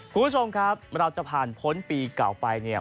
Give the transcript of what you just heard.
คุณผู้ชมครับเราจะผ่านพ้นปีเก่าไปเนี่ย